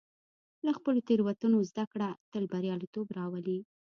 له خپلو تېروتنو زده کړه تل بریالیتوب راولي.